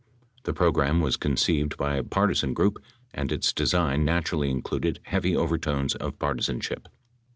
The program was conceived by a partisan group and its design naturally included heavy overtones of partisanship.